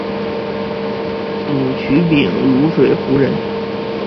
沮渠秉卢水胡人。